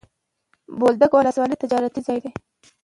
بولدک ولسوالي تجارتي ځای دی.